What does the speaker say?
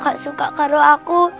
enggak suka karo aku